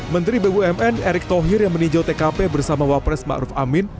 menteri bumn erick thohir yang meninjau tkp bersama wapres ma'ruf amin